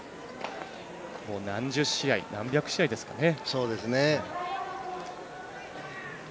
何十試合何百試合ですかね。